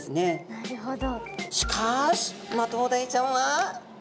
なるほど。